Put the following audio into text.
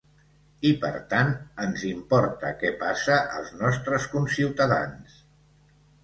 I, per tant, ens importa què passa als nostres conciutadans.